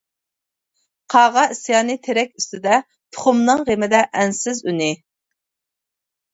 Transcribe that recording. قاغا ئىسيانى تېرەك ئۈستىدە، تۇخۇمنىڭ غېمىدە ئەنسىز ئۈنى.